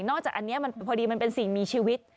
จากอันนี้มันพอดีมันเป็นสิ่งมีชีวิต